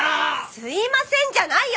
すいませんじゃないよ！